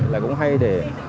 là cũng hay để